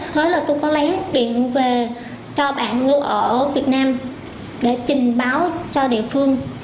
thế là tôi có lấy điện về cho bạn ở việt nam để trình báo cho địa phương